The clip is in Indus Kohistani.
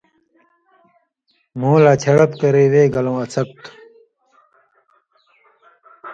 مھُو لا چھَڑَپ کرے وے گَلٶں اڅھَکوۡ تھُو۔